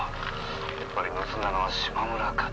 「やっぱり盗んだのは嶋村課長」